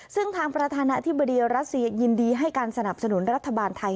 ซึ่งทางประธานาธิบดีรัสเซียยินดีให้การสนับสนุนรัฐบาลไทย